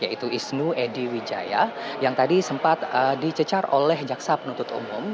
yaitu isnu edy wijaya yang tadi sempat dicecar oleh jaksa penuntut umum